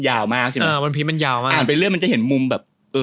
ยาวมากใช่ไหมเออวันพีชมันยาวมากมันไปเรื่อยมันจะเห็นมุมแบบเออ